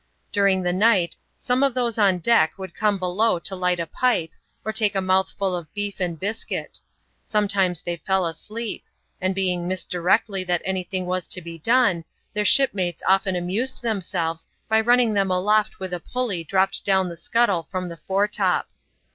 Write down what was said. During the night some of those on deck would come below to light a pipe, or take a mouthful of beef and biscuit. Some times they fell asleep ; and being missed directly that any thing was to be done, their shipmates often amused themselves by running them aloft with a pulley dropped down the scuttle from the fore top.